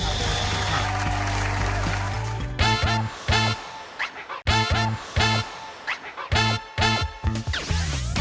สวัสดีครับ